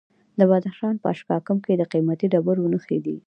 د بدخشان په اشکاشم کې د قیمتي ډبرو نښې دي.